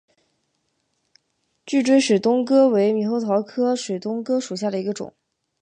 聚锥水东哥为猕猴桃科水东哥属下的一个种。